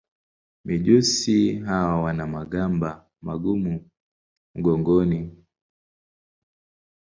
Mijusi hawa wana magamba magumu mgongoni.